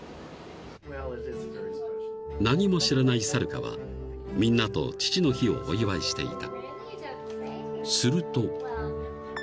［何も知らないサルカはみんなと父の日をお祝いしていた］